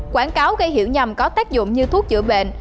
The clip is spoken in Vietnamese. quảng cáo gây hiểu nhầm có tác dụng như thuốc chữa bệnh